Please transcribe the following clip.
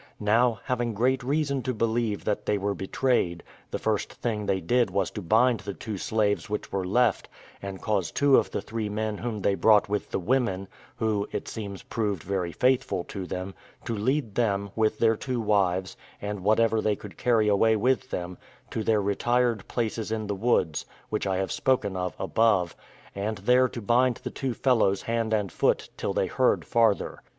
Now, having great reason to believe that they were betrayed, the first thing they did was to bind the two slaves which were left, and cause two of the three men whom they brought with the women (who, it seems, proved very faithful to them) to lead them, with their two wives, and whatever they could carry away with them, to their retired places in the woods, which I have spoken of above, and there to bind the two fellows hand and foot, till they heard farther.